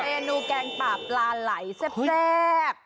เมนูแกงป่าปลาไหล่แซ่บ